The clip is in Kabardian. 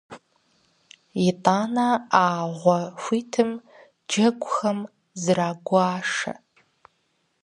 ИтӀанэ а гъуэ хуитым джэгухэм зрагуашэ.